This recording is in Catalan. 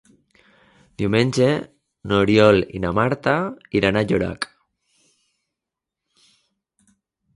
Diumenge n'Oriol i na Marta iran a Llorac.